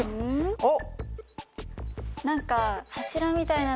おっ！